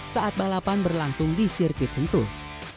saat balapan berlangsung di sirkuit sentuh